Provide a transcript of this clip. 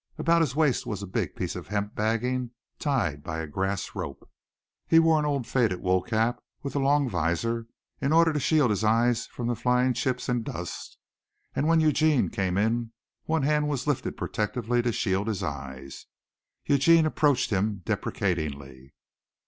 About his waist was a big piece of hemp bagging tied by a grass rope. He wore an old faded wool cap with a long visor in order to shield his eyes from the flying chips and dust, and when Eugene came in one hand was lifted protectingly to shield his eyes. Eugene approached him deprecatingly.